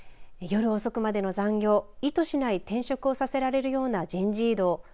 夜遅くまでの残業意図しない転職をさせられるような人事異動。